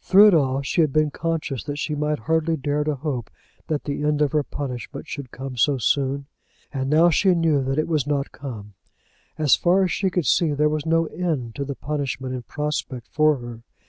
Through it all she had been conscious that she might hardly dare to hope that the end of her punishment should come so soon, and now she knew that it was not to come. As far as she could see, there was no end to the punishment in prospect for her.